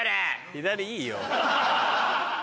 左いいよ。